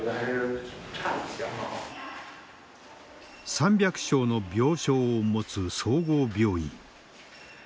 ３００床の病床を持つ総合病院。